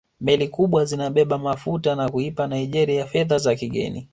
Meli kubwa zinabeba mafuta na kuipa Naigeria fedha za kigeni